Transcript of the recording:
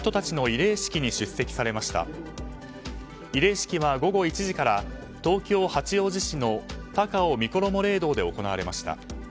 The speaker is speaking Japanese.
慰霊式は午後１時から東京・八王子市の高尾みころも霊堂で行われました。